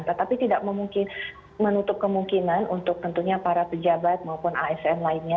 tetapi tidak menutup kemungkinan untuk tentunya para pejabat maupun asn lainnya